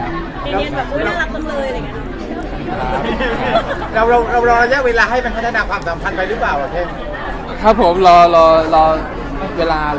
เรารอระยะเวลาให้มันขนาดาความสำคัญไปหรือเปล่าเพศ